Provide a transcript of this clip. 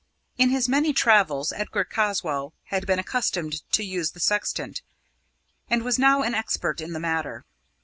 In his many travels, Edgar Caswall had been accustomed to use the sextant, and was now an expert in the matter.